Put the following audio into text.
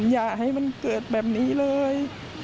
อย่าให้มันเกิดแบบนี้เลย